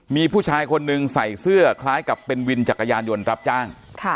มีผู้ชายคนหนึ่งใส่เสื้อคล้ายกับเป็นวินจักรยานยนต์รับจ้าง